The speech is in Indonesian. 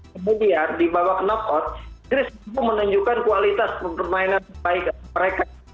kemudian di bawah knut hot inggris menunjukkan kualitas permainan terbaik mereka